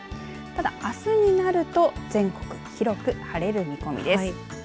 ただ、あすになると全国広く晴れる見込みです。